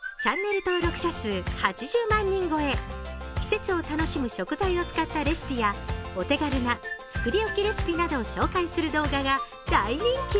季節を楽しむ食材を使ったレシピやお手軽な作り置きレシピなどを紹介する動画が大人気。